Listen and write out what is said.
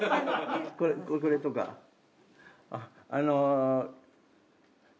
これとかあの。